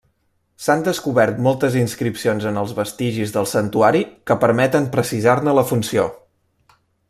S'han descobert moltes inscripcions en els vestigis del santuari que permeten precisar-ne la funció.